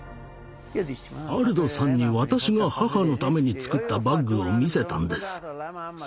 アルドさんに私が母のためにつくったバッグを見せたんです。